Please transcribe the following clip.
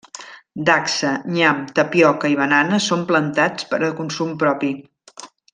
Dacsa, nyam, tapioca i banana són plantats per a consum propi.